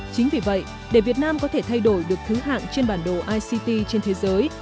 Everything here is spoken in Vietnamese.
chính vì vậy để việt nam có thể thay đổi được thứ hạng trên bản đồ ict trên thế giới